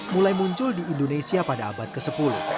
mulai muncul di indonesia pada abad ke sepuluh